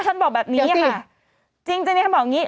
จริงจริงท่านบอกอย่างงี้